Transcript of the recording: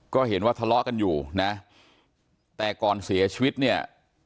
ก็เห็นว่าทะเลาะกันอยู่นะแต่ก่อนเสียชีวิตเนี่ย